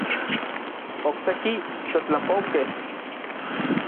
Okseki teotlapoukej.